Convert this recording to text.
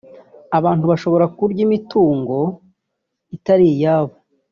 abantu bashobora kurya imitungo itari iyabo